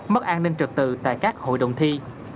mất an ninh trực tự tại các hội đồng thi